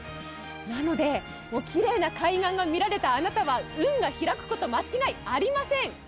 なので、きれいな開眼が見られたあなたは運が開くこと間違いありません。